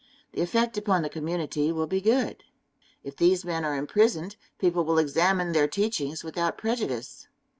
The effect upon the community will be good. If these men are imprisoned, people will examine their teachings without prejudice.